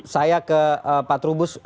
saya ke pak trubus